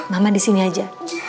mama disini aja